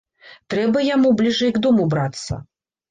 Трэба яму бліжэй к дому брацца.